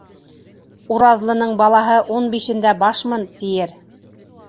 Ураҙлының балаһы ун бишендә башмын, тиер.